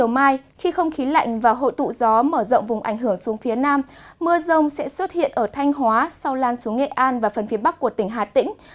mưa rông sẽ xuất hiện ở thanh hóa sau lan xuống nghệ an và phần phía bắc của tỉnh hà tĩnh